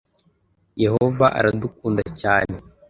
Yehova aradukunda cyane.